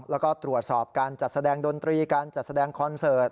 แล้วก็ตรวจสอบการจัดแสดงดนตรีการจัดแสดงคอนเสิร์ต